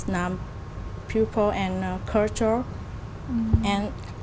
nước đáier wang